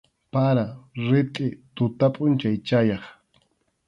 Para, ritʼi tuta pʼunchaw chayaq.